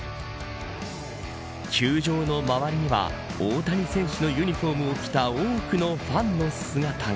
球場の周りには大谷選手のユニホームを着た多くのファンの姿が。